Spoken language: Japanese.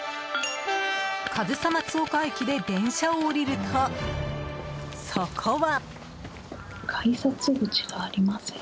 上総松丘駅で電車を降りるとそこは。